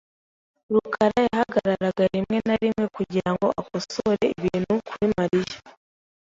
rukara yahagararaga rimwe na rimwe kugirango akosore ibintu kuri Mariya .